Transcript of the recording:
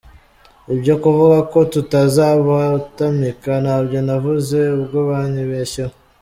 ibyo kuvuga ko tutazabatamika ntabyo navuze ubwo banyibeshyeho .